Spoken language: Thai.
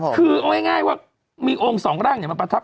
คือเอาง่ายว่ามีองค์สองร่างมาประทับ